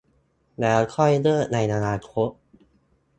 แล้วค่อยเลิกในอนาคต